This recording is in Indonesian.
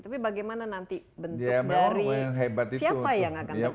tapi bagaimana nanti bentuk dari siapa yang akan bertemu